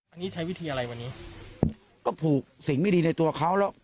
อันนี้ใช้วิธีอะไรวันนี้ก็ผูกสิ่งไม่ดีในตัวเขาแล้ว